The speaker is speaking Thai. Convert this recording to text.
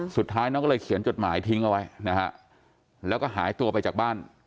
สุดท้ายน้องก็เลยเขียนจดหมายทิ้งเอาไว้นะฮะแล้วก็หายตัวไปจากบ้าน